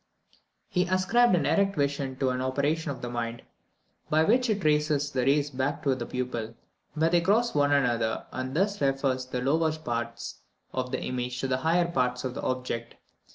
He ascribed an erect vision to an operation of the mind, by which it traces the rays back to the pupil, where they cross one another, and thus refers the lower parts of the image to the higher parts of the object.